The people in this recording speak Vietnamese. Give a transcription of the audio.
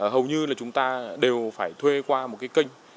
hầu như là chúng ta đều phải thuê qua một cái kênh